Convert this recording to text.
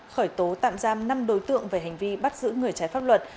khởi tố tạm giam năm đối tượng về hành vi bắt giữ người trái pháp luật